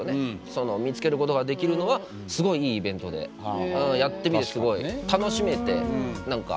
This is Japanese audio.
その見つけることができるのはすごいいいイベントでやってみてすごいベッキーは改めてどうですか？